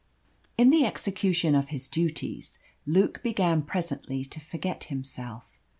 In the execution of his duties Luke began presently to forget himself.